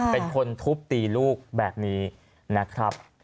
เป็นคนทุบตีลูกแบบนี้นะครับ